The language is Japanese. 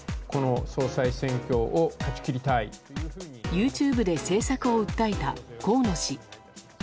ＹｏｕＴｕｂｅで政策を訴えた河野氏。